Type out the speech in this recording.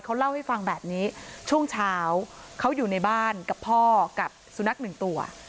เขาเล่าให้ฟังแบบนี้ช่วงเช้าเขาอยู่ในบ้านกับพ่อกับสุนัขหนึ่งตัว